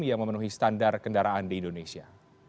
yang memenuhi standar kendaraan di indonesia